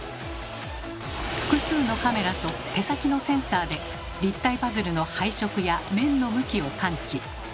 複数のカメラと手先のセンサーで立体パズルの配色や面の向きを感知。